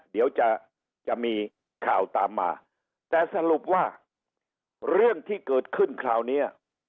เดี๋ยวจะจะมีข่าวตามมาแต่สรุปว่าเรื่องที่เกิดขึ้นคราวเนี้ย